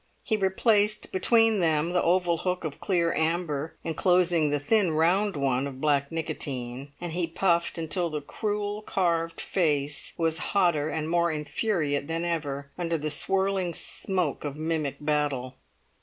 He replaced between them the oval hook of clear amber enclosing the thin round one of black nicotine, and he puffed until the cruel carved face was hotter and more infuriate than ever, under the swirling smoke of mimic battle.